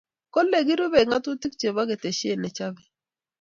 kole kirubei ngatutik che bo keteshe ne chebei